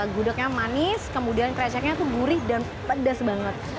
gudegnya manis kemudian kreceknya tuh gurih dan pedas banget